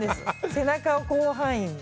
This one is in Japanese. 背中を広範囲に。